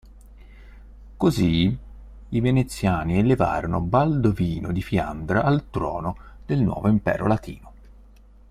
Così, i Veneziani elevarono Baldovino di Fiandra al trono del nuovo Impero Latino.